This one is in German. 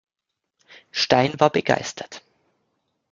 Stein war begeistert.